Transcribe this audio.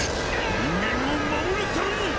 人間を守るために！